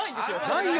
ないよ！